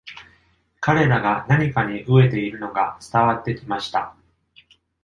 彼らが何かに飢えているのが伝わってきました。